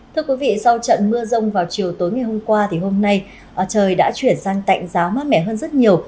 thưa quý vị sau trận mưa rông vào chiều tối ngày hôm qua thì hôm nay trời đã chuyển sang tạnh giáo mát mẻ hơn rất nhiều